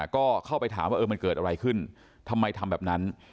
ก็เข้าไปถามว่ามันเกิดอะไรขึ้นทำไมทำแบบนั้น